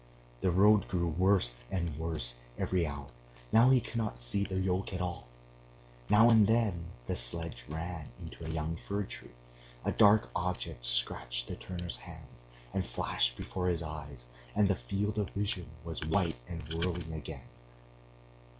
The road grew worse and worse every hour. Now he could not see the yoke at all. Now and then the sledge ran into a young fir tree, a dark object scratched the turner's hands and flashed before his eyes, and the field of vision was white and whirling again.